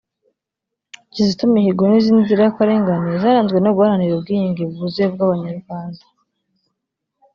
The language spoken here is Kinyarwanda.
Kizito Mihigo n’izindi nzirakarengane zaranzwe no guharanira ubwiyunge bwuzuye bw’Abanyarwanda